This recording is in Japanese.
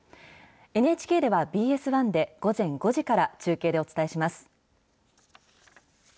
ＮＨＫではＢＳ１で午前５時から中継でお伝えします。